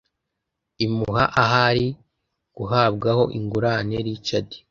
imuha ahari guhabwaho ingurane Richard